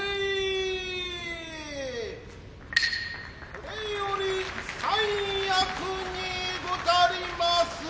これより三役にござりまする。